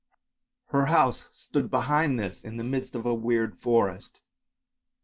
Her house stood behind this in the midst of a weird forest.